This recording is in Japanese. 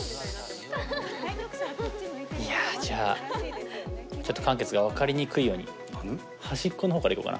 いやじゃあちょっと漢傑が分かりにくいように端っこの方からいこうかな。